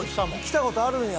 来た事あるんや？